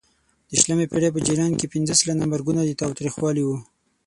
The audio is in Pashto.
د شلمې پېړۍ په جریان کې پینځه سلنه مرګونه د تاوتریخوالي وو.